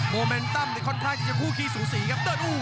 สถานการณ์ค่อนข้างจะคู่ทีสู่สี่ครับ